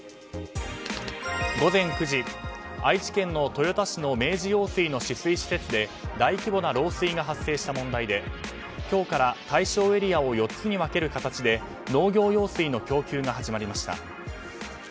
午前９時、愛知県の豊田市の明治用水の取水施設で大規模な漏水が発生した問題で今日から対象エリアを４つに分ける形で、農業用水の供給が始まりました。